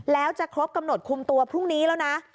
แล้วจะครบกำหนดคุมตัวพรุ่งนี้แล้วนะ